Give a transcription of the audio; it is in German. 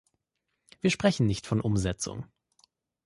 Wir sprechen nicht von Umsetzung.